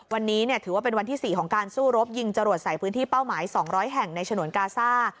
วันนี้ถือว่าเป็นวันที่๔ของการสู้รบยิงจรวดใส่พื้นที่เป้าหมาย๒๐๐แห่งในฉนวนกาซ่า